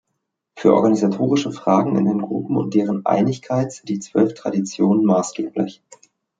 Für organisatorische Fragen in den Gruppen und deren "Einigkeit" sind die Zwölf Traditionen maßgeblich.